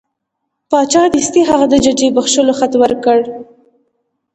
باچا دستي هغه د ججې بخښلو خط ورکړ.